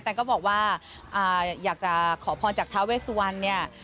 ก็บอกว่าอยากจะขอพรจากท้าเวสวันเนี่ย